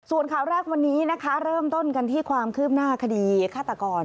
ส่วนข่าวแรกวันนี้นะคะเริ่มต้นกันที่ความคืบหน้าคดีฆาตกร